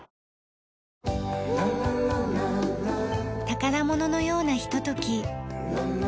宝物のようなひととき。